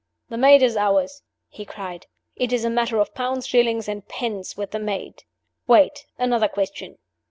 "The maid is ours!" he cried. "It's a matter of pounds, shillings, and pence with the maid. Wait! Another question.